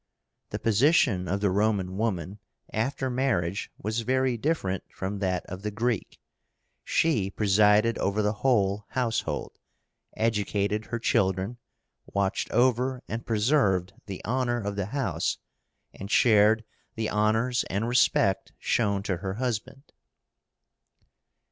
The position of the Roman woman after marriage was very different from that of the Greek. She presided over the whole household, educated her children, watched over and preserved the honor of the house, and shared the honors and respect shown to her husband.